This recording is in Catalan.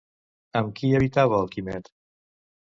Amb qui habitava el Quimet?